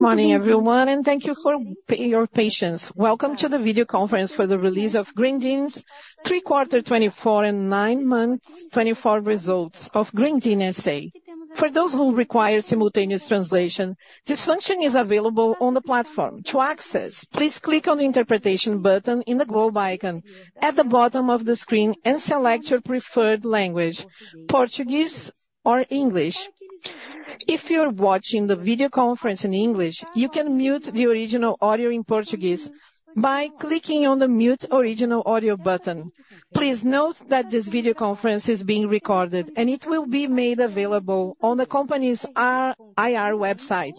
Good morning, everyone, and thank you for your patience. Welcome to the video conference for the release of Grendene's third quarter 2024 and nine months 2024 results of Grendene S.A. For those who require simultaneous translation, this function is available on the platform. To access, please click on the interpretation button in the globe icon at the bottom of the screen and select your preferred language: Portuguese or English. If you're watching the video conference in English, you can mute the original audio in Portuguese by clicking on the Mute Original Audio button. Please note that this video conference is being recorded, and it will be made available on the company's IR website,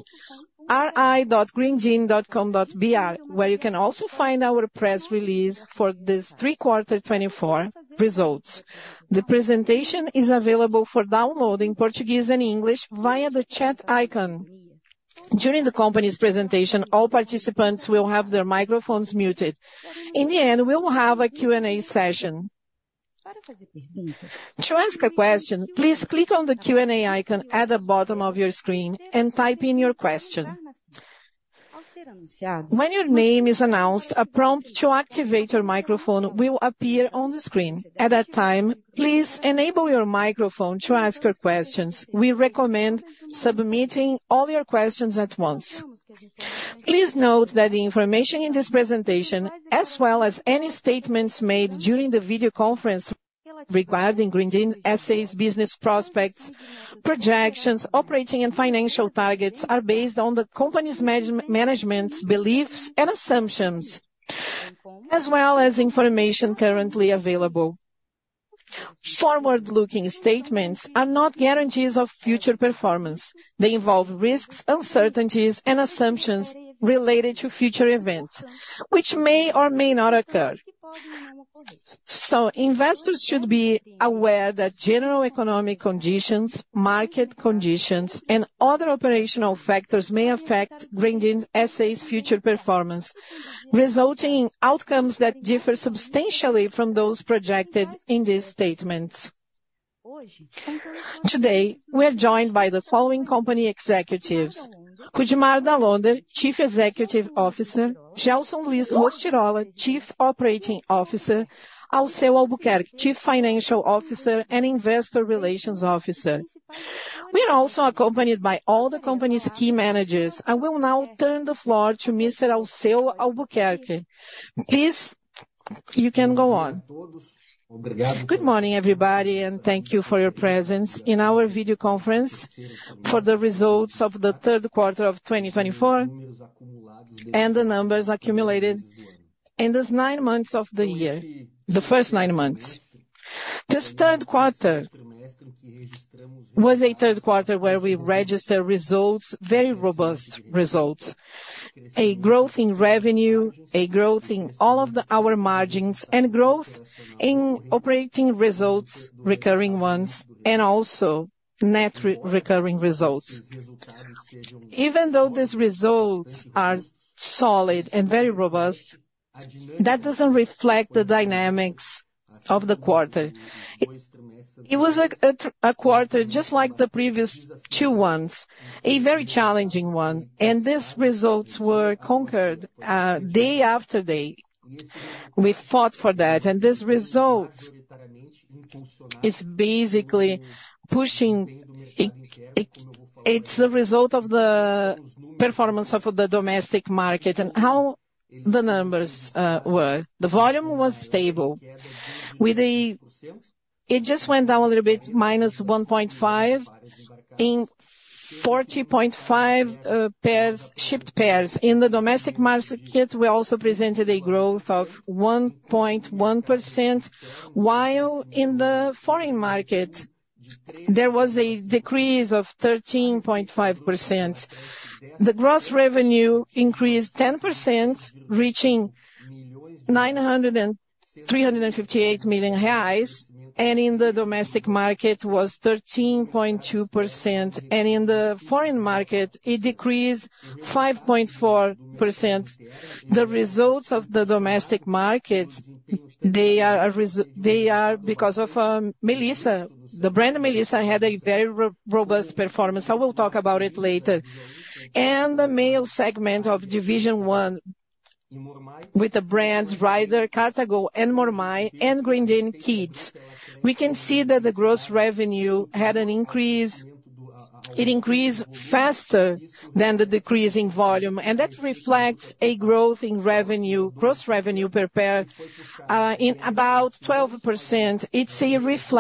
ri.grendene.com.br, where you can also find our press release for this 3Q24 results. The presentation is available for download in Portuguese and English via the chat icon. During the company's presentation, all participants will have their microphones muted. In the end, we will have a Q&A session. To ask a question, please click on the Q&A icon at the bottom of your screen and type in your question. When your name is announced, a prompt to activate your microphone will appear on the screen. At that time, please enable your microphone to ask your questions. We recommend submitting all your questions at once. Please note that the information in this presentation, as well as any statements made during the video conference regarding Grendene S.A.'s business prospects, projections, operating, and financial targets, are based on the company's management's beliefs and assumptions, as well as information currently available. Forward-looking statements are not guarantees of future performance. They involve risks, uncertainties, and assumptions related to future events, which may or may not occur. Investors should be aware that general economic conditions, market conditions, and other operational factors may affect Grendene S.A.'s future performance, resulting in outcomes that differ substantially from those projected in these statements. Today, we are joined by the following company executives: Rudimar Dall'Onder, Chief Executive Officer; Gelson Luiz Rostirolla, Chief Operating Officer; Alceu Albuquerque, Chief Financial Officer and Investor Relations Officer. We are also accompanied by all the company's key managers. I will now turn the floor to Mr. Alceu Albuquerque. Please, you can go on. Good morning, everybody, and thank you for your presence in our video conference for the results of the third quarter of 2024 and the numbers accumulated in these nine months of the year, the first nine months. This third quarter was a third quarter where we registered results, very robust results, a growth in revenue, a growth in all of our margins, and growth in operating results, recurring ones, and also net recurring results. Even though these results are solid and very robust, that doesn't reflect the dynamics of the quarter. It was a quarter just like the previous two ones, a very challenging one, and these results were conquered day after day. We fought for that, and this result is basically pushing, it's the result of the performance of the domestic market and how the numbers were. The volume was stable. It just went down a little bit, -1.5% in 40.5 million shipped pairs. In the domestic market, we also presented a growth of 1.1%, while in the foreign market, there was a decrease of 13.5%.The gross revenue increased 10%, reaching 9,358 million reais, and in the domestic market, it was 13.2%, and in the foreign market, it decreased 5.4%. The results of the domestic market, they are because of Melissa. The brand Melissa had a very robust performance. I will talk about it later. The male segment of Division One, with the brands Rider, Cartago, and Mormaii, and Grendene Kids, we can see that the gross revenue had an increase; it increased faster than the decrease in volume, and that reflects a growth in revenue, gross revenue per pair, in about 12%. It's a reflection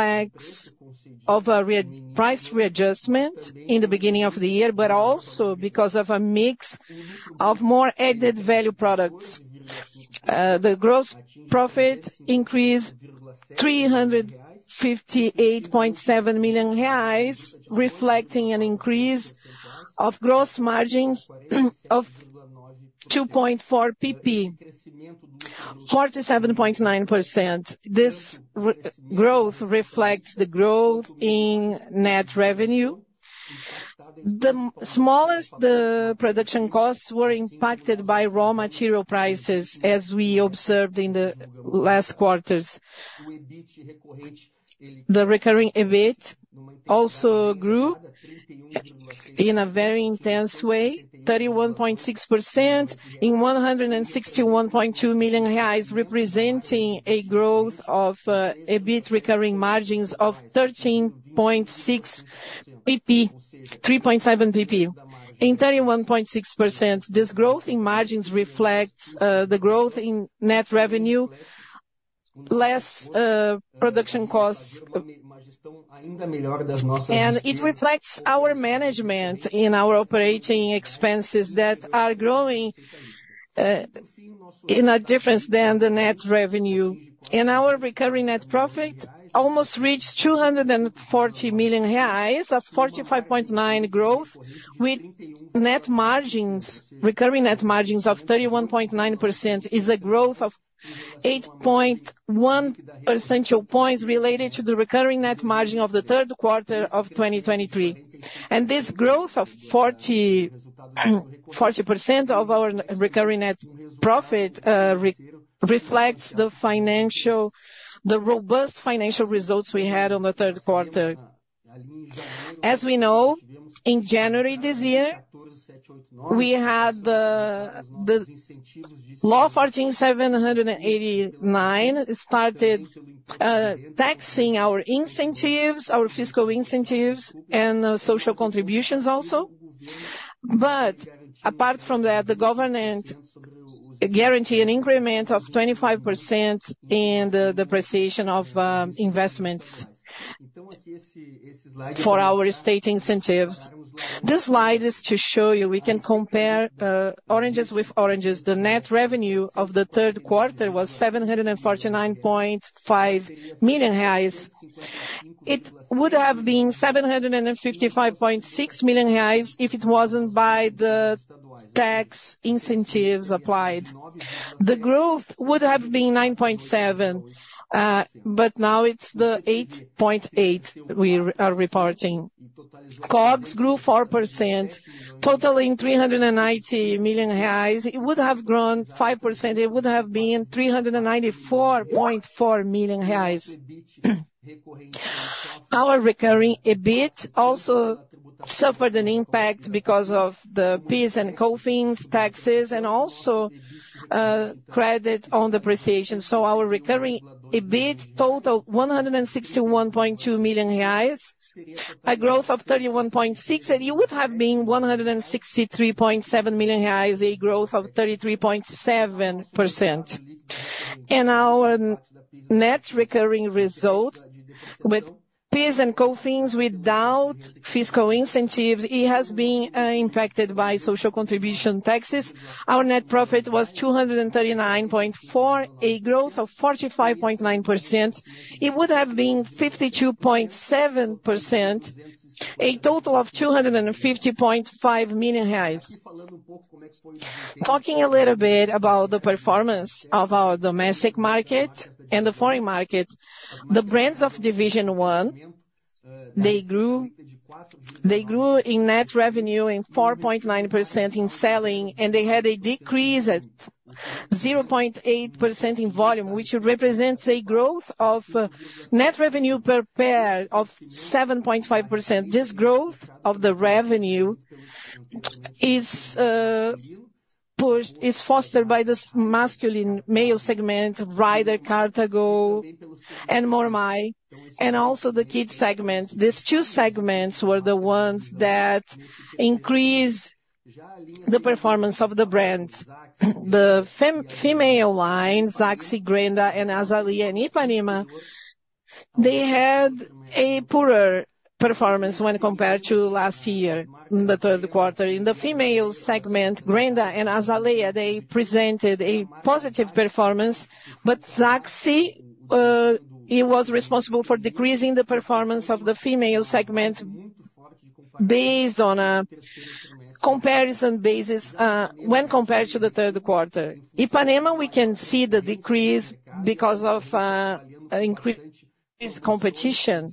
of a price readjustment in the beginning of the year, but also because of a mix of more added value products. The gross profit increased 358.7 million reais, reflecting an increase of gross margins of 2.4 percentage points, 47.9%. This growth reflects the growth in net revenue. The smallest production costs were impacted by raw material prices, as we observed in the last quarters. The recurring EBIT also grew in a very intense way, 31.6% in 161.2 million reais, representing a growth of EBIT recurring margins of 13.6 percentage points, 3.7 percentage points. In 31.6%, this growth in margins reflects the growth in net revenue, less production costs, and it reflects our management in our operating expenses that are growing in a difference than the net revenue. Our recurring net profit almost reached 240 million reais, a 45.9% growth, with net margins, recurring net margins of 31.9%, is a growth of 8.1 percentage points related to the recurring net profit of the third quarter of 2023. This growth of 40% of our recurring net profit reflects the robust financial results we had on the third quarter. As we know, in January this year, we had the law 14,789 started taxing our incentives, our fiscal incentives, and social contributions also. But apart from that, the government guaranteed an increment of 25% in the depreciation of investments for our state incentives. This slide is to show you we can compare oranges with oranges. The net revenue of the third quarter was 749.5 million reais. It would have been 755.6 million reais if it wasn't by the tax incentives applied. The growth would have been 9.7%, but now it's the 8.8% we are reporting. COGS grew 4%, totaling 390 million reais. It would have grown 5%. It would have been 394.4 million reais. Our recurring EBIT also suffered an impact because of the PIS and COFINS taxes and also credit on depreciation. Our recurring EBIT totaled 161.2 million reais, a growth of 31.6%, and it would have been 163.7 million reais, a growth of 33.7%. And our net recurring result with PIS and COFINS, without fiscal incentives, has been impacted by social contribution taxes. Our net profit was 239.4 million, a growth of 45.9%. It would have been 52.7%, a total of 250.5 million. Talking a little bit about the performance of our domestic market and the foreign market, the brands of Division One, they grew in net revenue in 4.9% in selling, and they had a decrease at 0.8% in volume, which represents a growth of net revenue per pair of 7.5%. This growth of the revenue is fostered by this masculine male segment, Rider, Cartago, and Mormaii, and also the kids segment. These two segments were the ones that increased the performance of the brands. The female lines, Zaxy, Grendha, and Azaleia and Ipanema, they had a poorer performance when compared to last year in the third quarter. In the female segment, Grendha and Azaleia, they presented a positive performance, but Zaxy, he was responsible for decreasing the performance of the female segment based on a comparison basis when compared to the third quarter. Ipanema, we can see the decrease because of increased competition,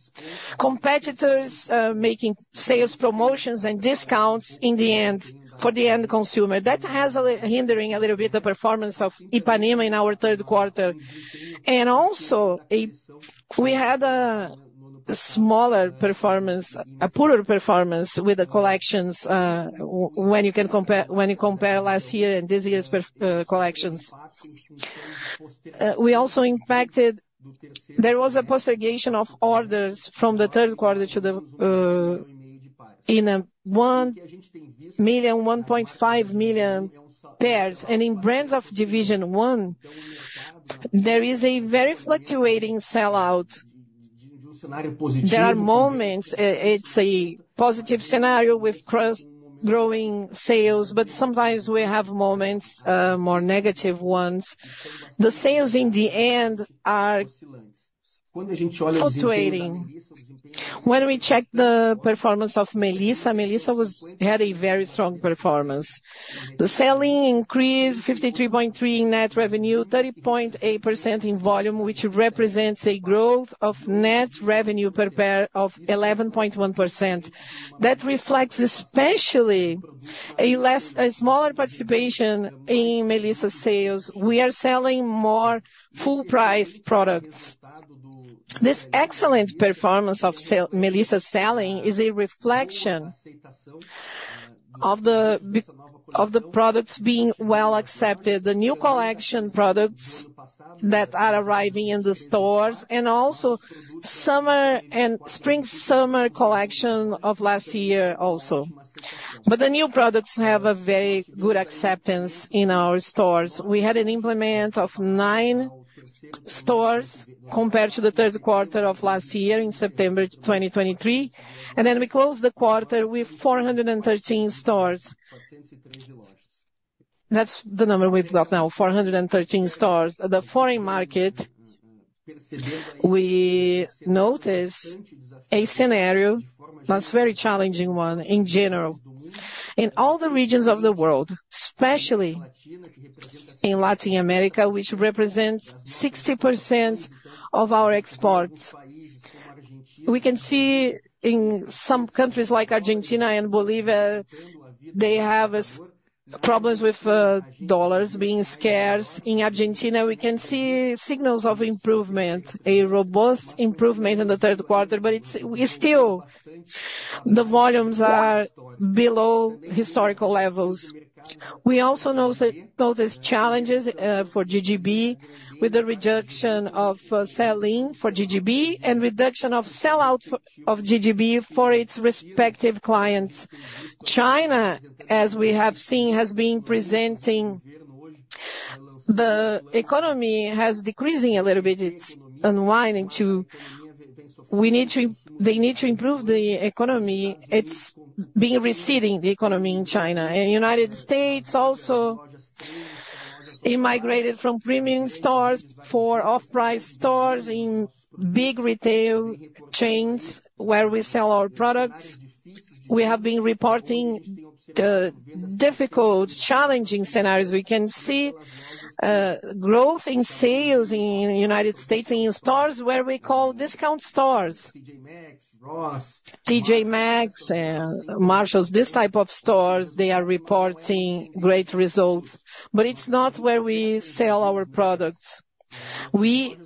competitors making sales promotions and discounts in the end for the end consumer. That has hindered a little bit the performance of Ipanema in our third quarter. We also had a smaller performance, a poorer performance with the collections when you compare last year and this year's collections. We were also impacted. There was a postponement of orders from the third quarter to the one million, 1.5 million pairs. In brands of Division One, there is a very fluctuating sellout. There are moments. It's a positive scenario with growing sales, but sometimes we have moments more negative ones. The sales, in the end, are fluctuating. When we check the performance of Melissa, Melissa had a very strong performance. The sell-out increased 53.3% in net revenue, 30.8% in volume, which represents a growth of net revenue per pair of 11.1%. That reflects especially a smaller participation in Melissa's sales. We are selling more full-price products. This excellent performance of Melissa's sell-out is a reflection of the products being well accepted, the new collection products that are arriving in the stores, and also summer and spring-summer collection of last year also, but the new products have a very good acceptance in our stores. We had an increase of nine stores compared to the third quarter of last year in September 2023. Then we closed the quarter with 413 stores. That's the number we've got now, 413 stores. The foreign market, we notice a scenario that's a very challenging one in general. In all the regions of the world, especially in Latin America, which represents 60% of our exports. We can see in some countries like Argentina and Bolivia, they have problems with dollars being scarce. In Argentina, we can see signals of improvement, a robust improvement in the third quarter, but still, the volumes are below historical levels. We also notice challenges for GGB with the reduction of selling for GGB and reduction of sellout of GGB for its respective clients. China, as we have seen, has been presenting the economy has decreasing a little bit. It's unwinding too. They need to improve the economy. It's been receding, the economy in China. The United States also migrated from premium stores to off-price stores in big retail chains where we sell our products. We have been reporting difficult, challenging scenarios. We can see growth in sales in the United States and in stores where we call discount stores, TJ Maxx, Marshalls. These types of stores, they are reporting great results, but it's not where we sell our products. We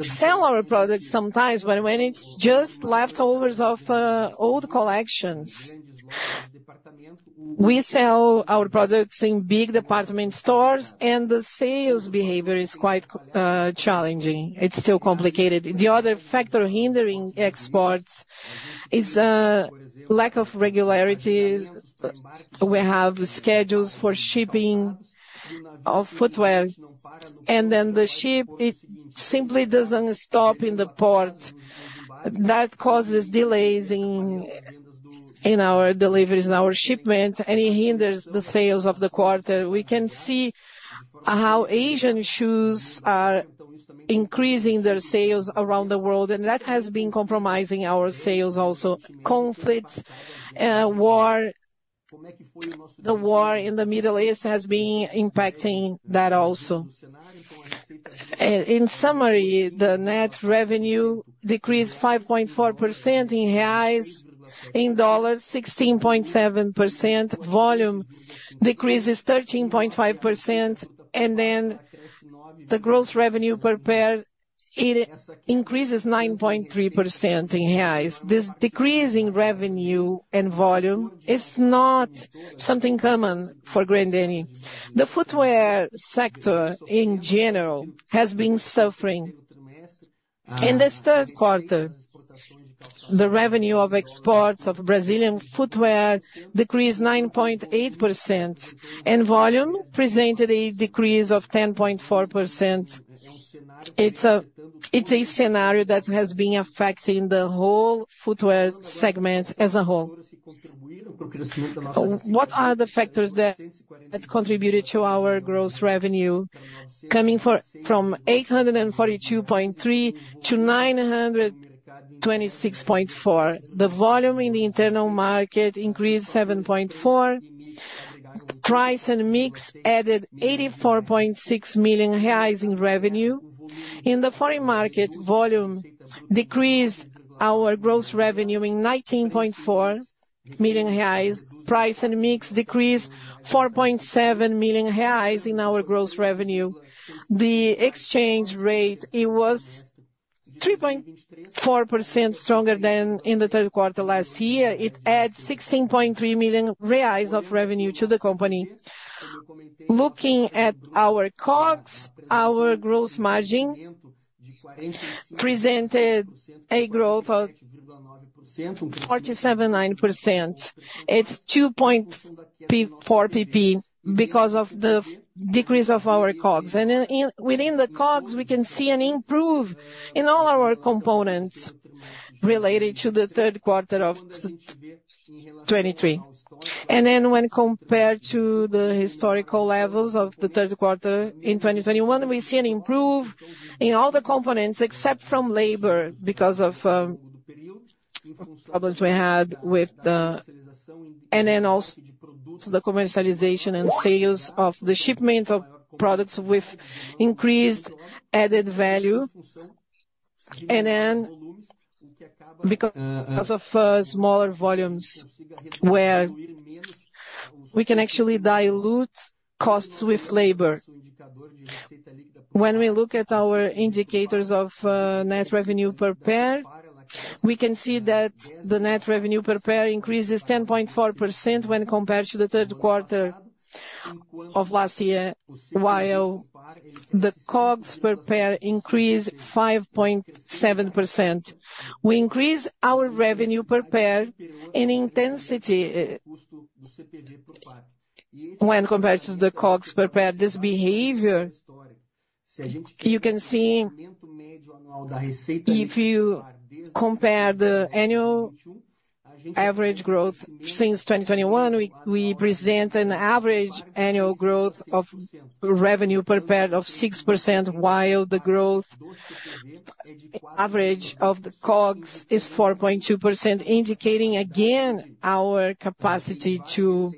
sell our products sometimes, but when it's just leftovers of old collections. We sell our products in big department stores, and the sales behavior is quite challenging. It's still complicated. The other factor hindering exports is a lack of regularity. We have schedules for shipping of footwear, and then the ship, it simply doesn't stop in the port. That causes delays in our deliveries, in our shipment, and it hinders the sales of the quarter. We can see how Asian shoes are increasing their sales around the world, and that has been compromising our sales also. Conflicts, war, the war in the Middle East has been impacting that also. In summary, the net revenue decreased 5.4% in reais, in dollars, 16.7%. Volume decreases 13.5%, and then the gross revenue per pair increases 9.3% in reais. This decrease in revenue and volume is not something common for Grendene. The footwear sector in general has been suffering. In this third quarter, the revenue of exports of Brazilian footwear decreased 9.8%, and volume presented a decrease of 10.4%. It's a scenario that has been affecting the whole footwear segment as a whole. What are the factors that contributed to our gross revenue? Coming from 842.3-926.4, the volume in the internal market increased 7.4%. Price and mix added 84.6 million reais in revenue. In the foreign market, volume decreased our gross revenue in 19.4 million reais. Price and mix decreased 4.7 million reais in our gross revenue. The exchange rate, it was 3.4% stronger than in the third quarter last year. It adds 16.3 million reais of revenue to the company. Looking at our COGS, our gross margin presented a growth of 47.9%. It's 2.4 PP because of the decrease of our COGS. And within the COGS, we can see an improvement in all our components related to the third quarter of 2023. And then when compared to the historical levels of the third quarter in 2021, we see an improvement in all the components except from labor because of problems we had with the. And then also the commercialization and sales of the shipment of products with increased added value. Then because of smaller volumes, where we can actually dilute costs with labor. When we look at our indicators of net revenue per pair, we can see that the net revenue per pair increases 10.4% when compared to the third quarter of last year, while the COGS per pair increased 5.7%. We increased our revenue per pair in intensity. When compared to the COGS per pair, this behavior, you can see if you compare the annual average growth since 2021, we present an average annual growth of revenue per pair of 6%, while the growth average of the COGS is 4.2%, indicating again our capacity to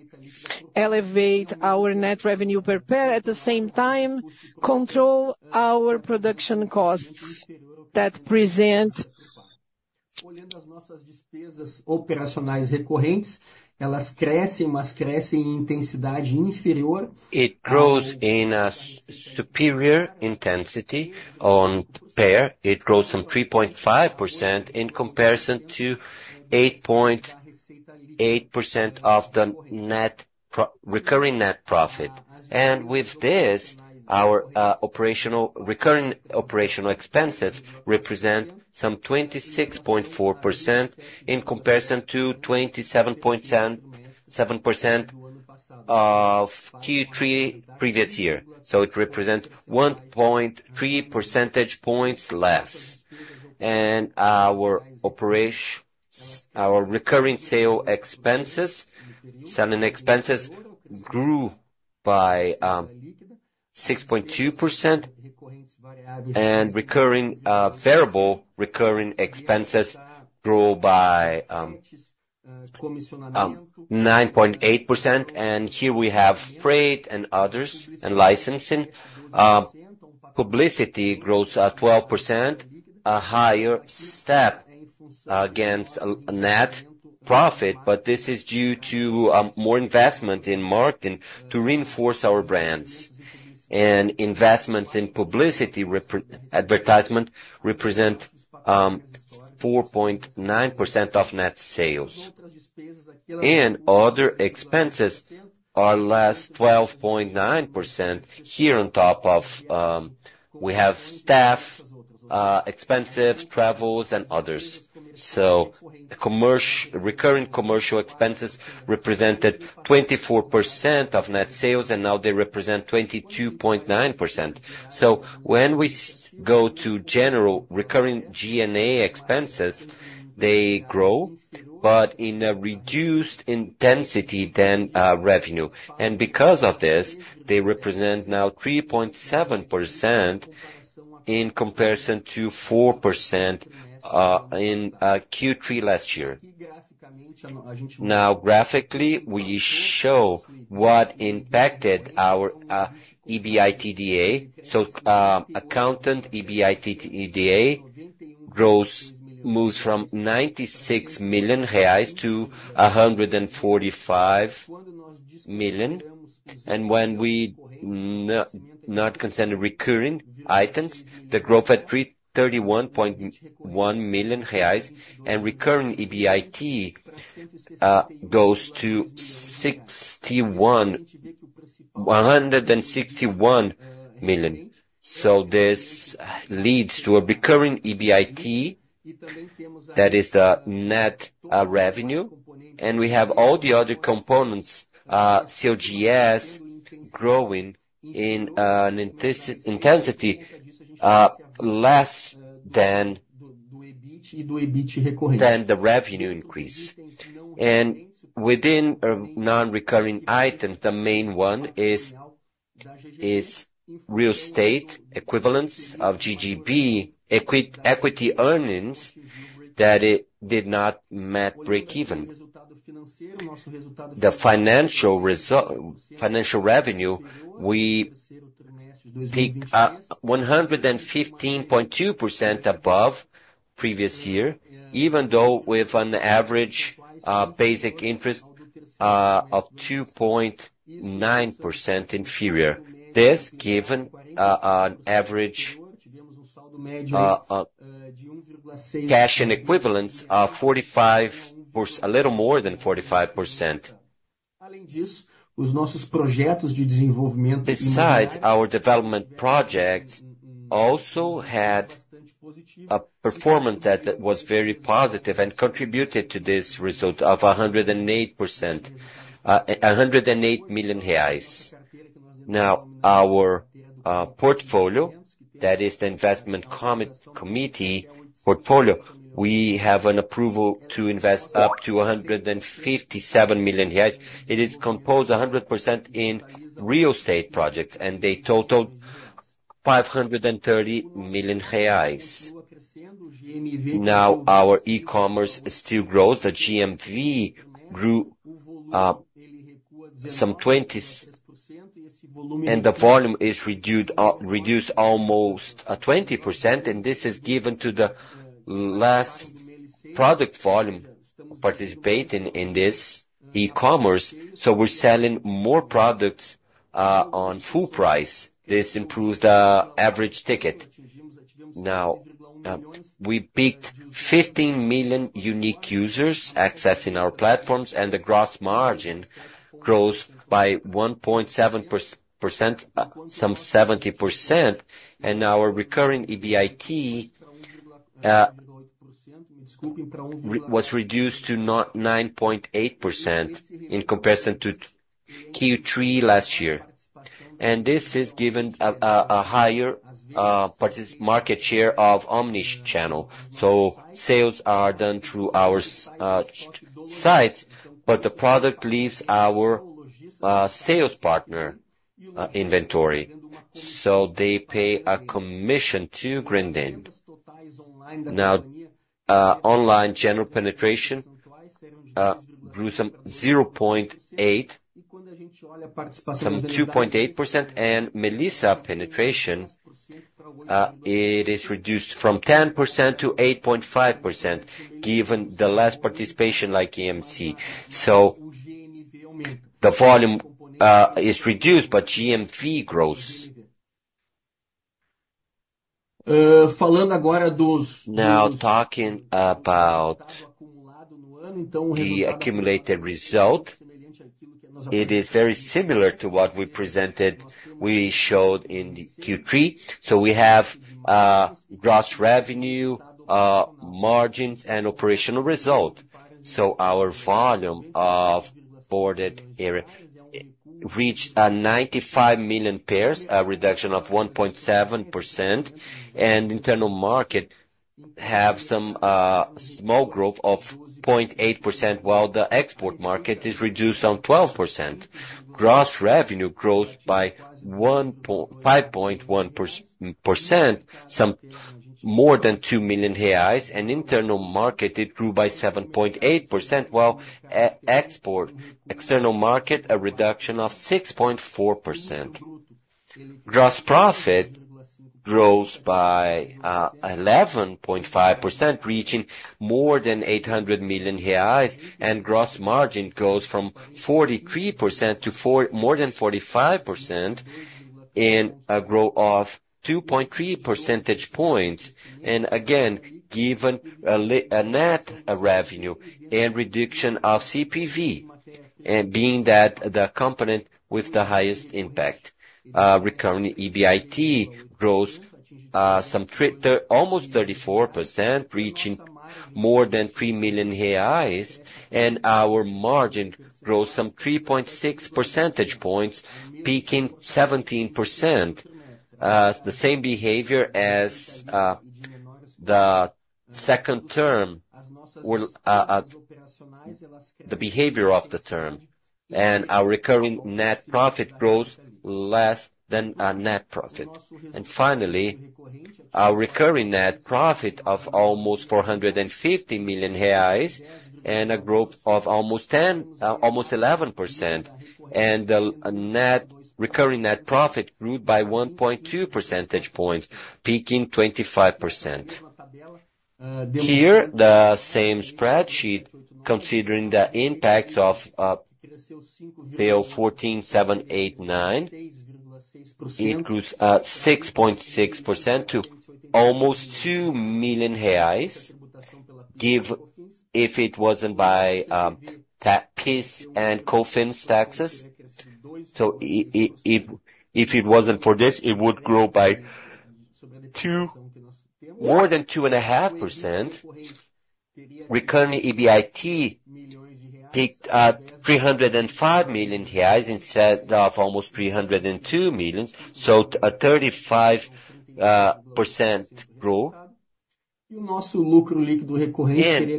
elevate our net revenue per pair at the same time, control our production costs that present. It grows in a superior intensity on pair. It grows some 3.5% in comparison to 8.8% of the recurring net profit. And with this, our recurring operational expenses represent some 26.4% in comparison to 27.7% of Q3 previous year. So it represents 1.3 percentage points less. And our recurring sale expenses, selling expenses grew by 6.2%, and variable recurring expenses grew by 9.8%. And here we have freight and others and licensing. Publicity grows 12%, a higher step against net profit, but this is due to more investment in marketing to reinforce our brands. And investments in publicity advertisement represent 4.9% of net sales. And other expenses are less, 12.9% here on top of we have staff, expenses, travels, and others. So recurring commercial expenses represented 24% of net sales, and now they represent 22.9%. So when we go to general recurring G&A expenses, they grow, but in a reduced intensity than revenue. And because of this, they represent now 3.7% in comparison to 4% in Q3 last year. Now, graphically, we show what impacted our EBITDA. So adjusted EBITDA growth moves from 96 million reais to 145 million. And when we not consider recurring items, the growth at 31.1 million reais, and recurring EBIT goes to 161 million. So this leads to a recurring EBIT that is the net revenue. And we have all the other components, COGS, growing in an intensity less than the revenue increase. And within non-recurring items, the main one is real estate equivalents of GGB equity earnings that did not match break-even. The financial revenue we peaked 115.2% above previous year, even though with an average Selic interest of 2.9% inferior. This, given an average cash and equivalents of a little more than 45%. Besides, our development project also had a performance that was very positive and contributed to this result of 108 million reais. Now, our portfolio, that is the investment committee portfolio, we have an approval to invest up to 157 million. It is composed 100% in real estate projects, and they total BRL 530 million. Now, our e-commerce still grows. The GMV grew some 20%, and the volume is reduced almost 20%, and this is given to the last product volume participating in this e-commerce. So we're selling more products on full price. This improves the average ticket. Now, we peaked 15 million unique users accessing our platforms, and the gross margin grows by 1.7%, some 70%, and our recurring EBIT was reduced to 9.8% in comparison to Q3 last year. And this is given a higher market share of Omni channel. So sales are done through our sites, but the product leaves our sales partner inventory. So they pay a commission to Grendene. Now, online general penetration grew some 0.8%, some 2.8%, and Melissa penetration, it is reduced from 10% to 8.5%, given the less participation like EMC. So the volume is reduced, but GMV grows. Now, talking about the accumulated result, it is very similar to what we showed in Q3. So we have gross revenue, margins, and operational result. So our volume of boarded area reached 95 million pairs, a reduction of 1.7%, and internal market has some small growth of 0.8%, while the export market is reduced on 12%. Gross revenue grows by 5.1%, to more than 2 million reais, and internal market, it grew by 7.8%, while export, external market, a reduction of 6.4%. Gross profit grows by 11.5%, reaching more than 800 million reais, and gross margin goes from 43% to more than 45% in a growth of 2.3 percentage points. Again, given a net revenue and reduction of CPV, and being that the component with the highest impact, recurring EBIT grows some almost 34%, reaching more than 3 million reais, and our margin grows some 3.6 percentage points, peaking 17%. The same behavior as the second term, the behavior of the term. Our recurring net profit grows less than net profit. Finally, our recurring net profit of almost 450 million reais and a growth of almost 11%, and the recurring net profit grew by 1.2 percentage points, peaking 25%. Here, the same spreadsheet, considering the impacts of Law 14,789, it grew 6.6% to almost 2 million reais, if it wasn't by PIS and COFINS taxes. If it wasn't for this, it would grow by more than 2.5%. Recurring EBIT peaked at 305 million reais instead of almost 302 million, so a 35% growth.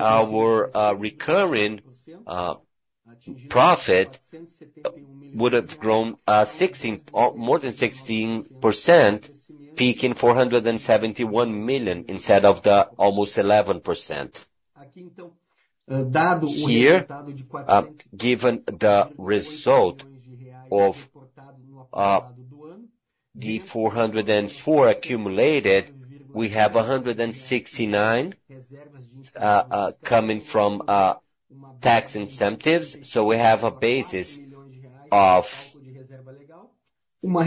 Our recurring profit would have grown more than 16%, peaking 471 million instead of the almost 11%. Here, given the result of the 404 million accumulated, we have 169 million coming from tax incentives, so we have a basis of legal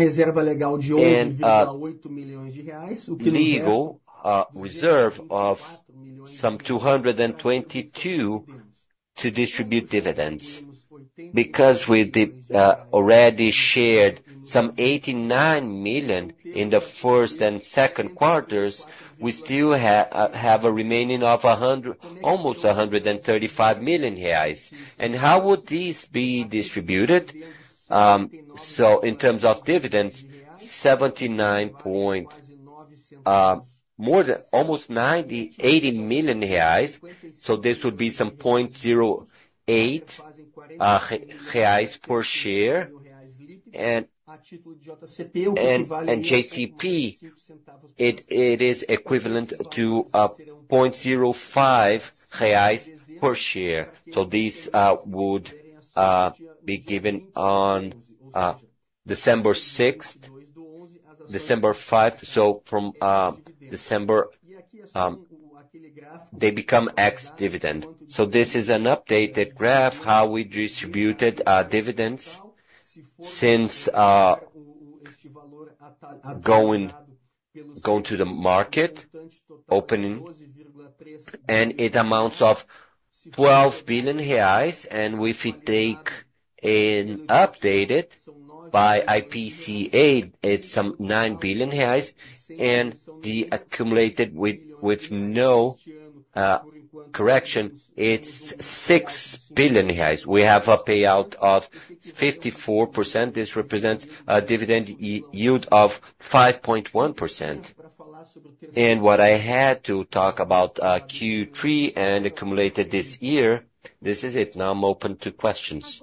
reserve of some 222 million to distribute dividends. Because we already shared some 89 million in the first and second quarters, we still have a remaining of almost 135 million reais. How would these be distributed? In terms of dividends, 79 point almost 90 milllion, 80 million reais, so this would be some 0.08 reais per share. JCP, it is equivalent to 0.05 reais per share. These would be given on December 6th, December 5th, so from December, they become ex-dividend. This is an updated graph, how we distributed dividends since going to the market, opening, and it amounts to 12 billion reais. If we take an updated by IPCA, it's some 9 billion reais, and the accumulated with no correction, it's 6 billion reais. We have a payout of 54%. This represents a dividend yield of 5.1%. What I had to talk about Q3 and accumulated this year, this is it. Now I'm open to questions.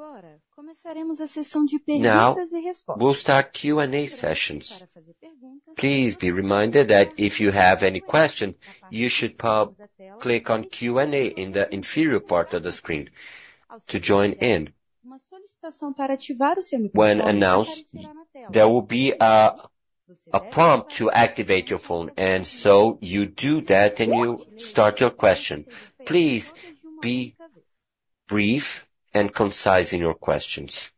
We'll start Q&A sessions. Please be reminded that if you have any questions, you should click on Q&A in the inferior part of the screen to join in. When announced, there will be a prompt to activate your phone, and so you do that and you start your question. Please be brief and concise in your questions.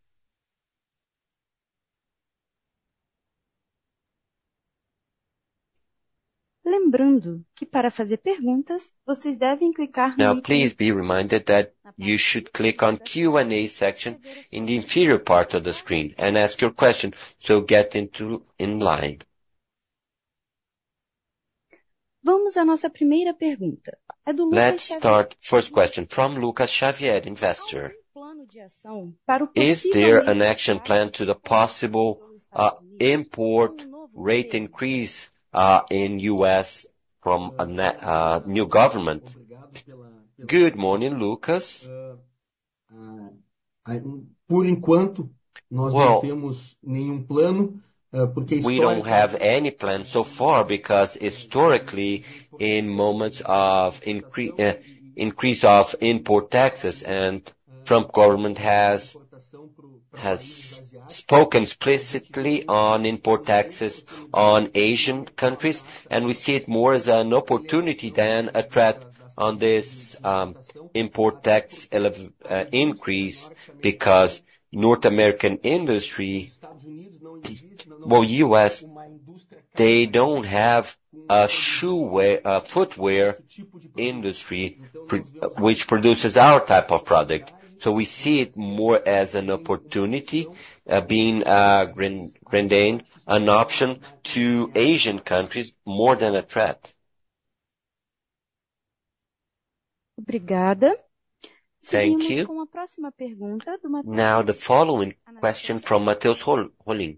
Now, please be reminded that you should click on Q&A section in the inferior part of the screen and ask your question, so get in line. Let's start first question from Lucas Xavier, investor. Is there an action plan to the possible import rate increase in the U.S. from a new government? Good morning, Lucas. We don't have any plan so far because historically, in moments of increase of import taxes, and the Trump government has spoken explicitly on import taxes on Asian countries, and we see it more as an opportunity than a threat on this import tax increase because North American industry, well, U.S., they don't have a shoe footwear industry which produces our type of product. So we see it more as an opportunity, being Grendene an option to Asian countries more than a threat. Now, the following question from Matheus Rolim,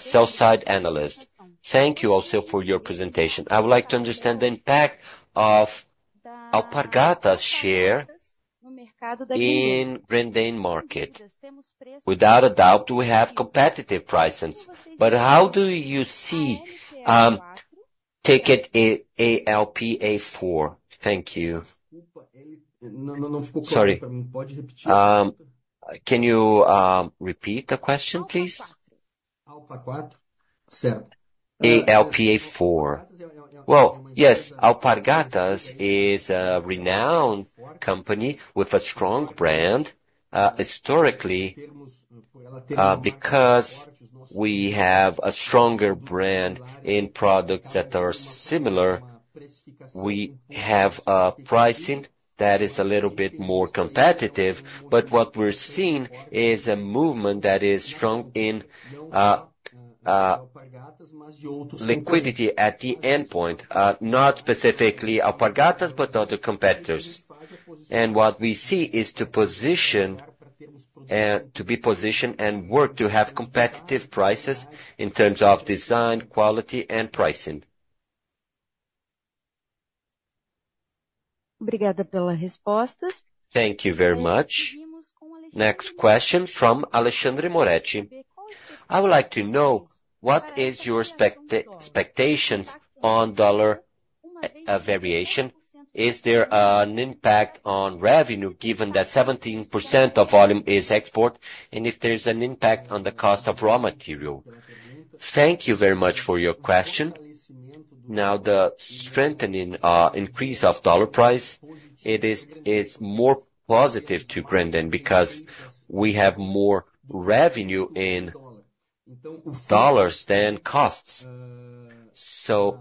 sell-side analyst. Thank you also for your presentation. I would like to understand the impact of Alpargatas share in Grendene market. Without a doubt, we have competitive prices. But how do you see ticker ALPA4? Thank you. Can you repeat the question, please? ALPA4. Certo. ALPA4. Well, yes, Alpargatas is a renowned company with a strong brand. Historically, because we have a stronger brand in products that are similar, we have a pricing that is a little bit more competitive. But what we're seeing is a movement that is strong in liquidity at the end point, not specifically Alpargatas, but other competitors. And what we see is to be positioned and work to have competitive prices in terms of design, quality, and pricing. Thank you very much. Next question from Alexandre Moretti. I would like to know what are your expectations on dollar variation? Is there an impact on revenue given that 17% of volume is export, and if there's an impact on the cost of raw material? Thank you very much for your question. Now, the strengthening increase of dollar price, it is more positive to Grendene because we have more revenue in dollars than costs. So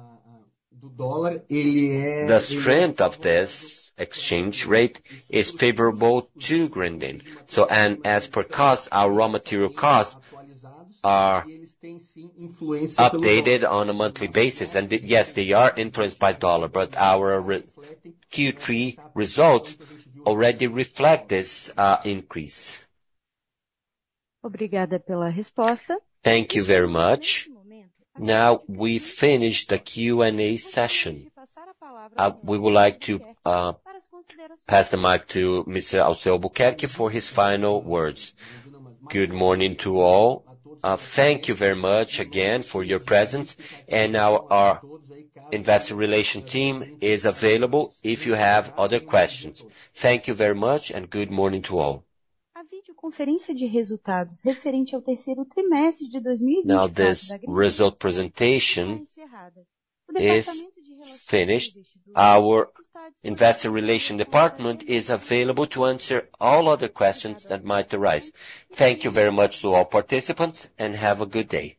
the strength of this exchange rate is favorable to Grendene. And as per costs, our raw material costs are updated on a monthly basis. And yes, they are influenced by dollar, but our Q3 results already reflect this increase. Thank you very much. Now we finish the Q&A session. We would like to pass the mic to Mr. Alceu Albuquerque for his final words. Good morning to all. Thank you very much again for your presence. And now our investor relations team is available if you have other questions. Thank you very much and good morning to all. Now this result presentation is finished. Our investor relation department is available to answer all other questions that might arise. Thank you very much to all participants and have a good day.